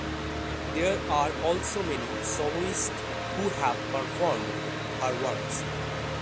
There are also many soloists who have performed her works.